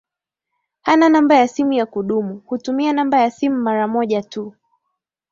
Hana namba ya simu ya kudumu hutumia namba ya sim umara moja tu